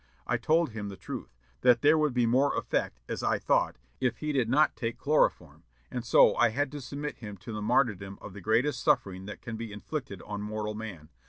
I told him the truth, that there would be more effect, as I thought, if he did not take chloroform; and so I had to submit him to the martyrdom of the greatest suffering that can be inflicted on mortal man.